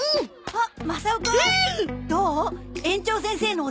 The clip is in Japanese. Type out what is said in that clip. あっ！